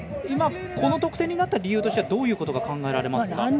今、この得点になった理由としてはどういうことが考えられますか？